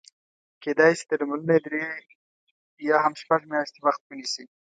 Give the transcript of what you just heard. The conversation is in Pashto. کېدای شي درملنه یې درې یا هم شپږ میاشتې وخت ونیسي.